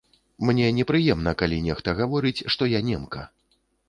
Мне непрыемна, калі нехта гаворыць, што я немка.